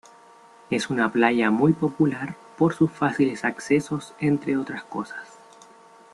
Es una playa muy popular por sus fáciles accesos entre otras cosas.